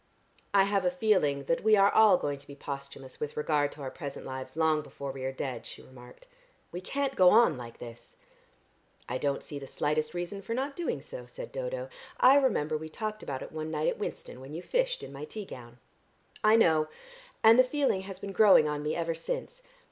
"I have a feeling that we are all going to be posthumous with regard to our present lives long before we are dead," she remarked. "We can't go on like this." "I don't see the slightest reason for not doing so," said Dodo. "I remember we talked about it one night at Winston when you fished in my tea gown." "I know, and the feeling has been growing on me ever since.